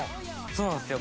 そうなんですよ。